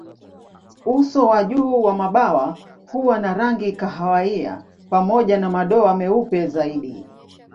Uso wa juu wa mabawa huwa na rangi kahawia pamoja na madoa meupe zaidi.